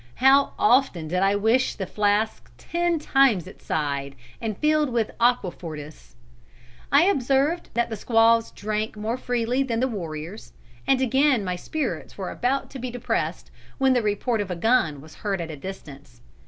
How often did I wish the flask ten times its size and filled with aquafortis! I observed that the squaws drank more freely than the warriors, and again my spirits were about to be depressed when the report of a gun was heard at a distance.